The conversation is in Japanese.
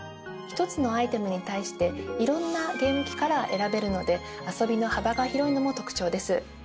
１つのアイテムに対して色んなゲーム機から選べるので遊びの幅が広いのも特長です。